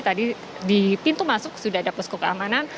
tadi di pintu masuk sudah ada posko keamanan